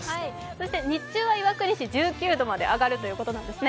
そして日中は岩国市１９度まで上がるということなんですね。